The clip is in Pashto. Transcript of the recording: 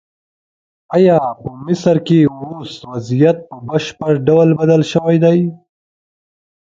ایا په مصر کې اوس وضعیت په بشپړ ډول بدل شوی دی؟